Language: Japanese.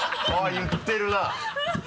言ってるなぁ！